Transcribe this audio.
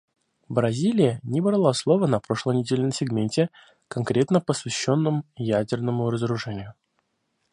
Бразилия не брала слово на прошлой неделе на сегменте, конкретно посвященном ядерному разоружению.